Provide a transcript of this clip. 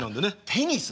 テニスね。